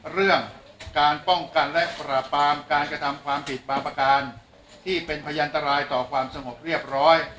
เรื่องการป้องกันและปราบปรามการกระทำความผิดบางประการที่เป็นพยันตรายต่อความสงบเรียบร้อย